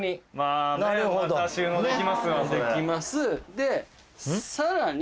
でさらに。